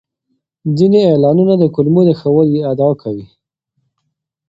ځینې اعلانونه د کولمو د ښه والي ادعا کوي.